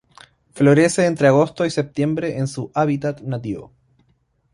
Florece entre agosto y septiembre en su hábitat nativo.